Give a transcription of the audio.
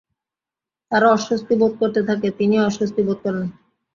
তারা অস্বস্তি বোধ করতে থাকে, তিনিও অস্বস্তি বোধ করেন।